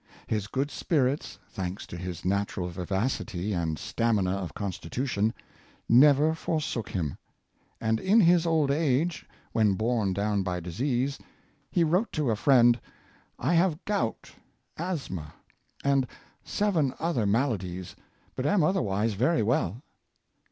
His good spirits, thanks to his natural vivacity and stamina of constitution, never forsook him; and in his old age, when borne down by disease, he wrote to a friend; " I have gout, asthma, and seven other maladies, but am other wise very well.''